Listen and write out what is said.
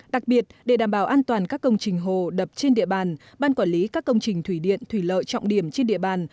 đặc biệt để đảm bảo an toàn các công trình hồ đập trên địa bàn ban quản lý các công trình thủy điện thủy lợi trọng điểm trên địa bàn